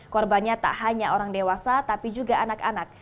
korbannya tak hanya orang dewasa tapi juga anak anak